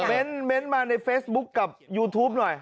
เน้นมาในเฟซบุ๊คกับยูทูปหน่อย